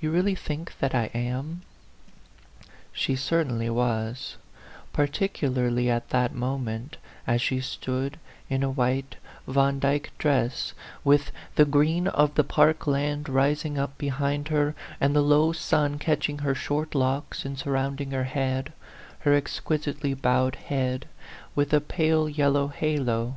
You really think that I am ?" She certainly was, particularly at that mo ment, as she stood in a white Vandyck dress, with the green of the park land rising up be hind her, and the low sun catching her short locks and surrounding her head, her exquis itely bowed head, with a pale yellow halo.